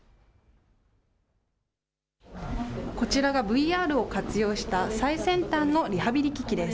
こちらがＶＲを活用した最先端のリハビリ機器です。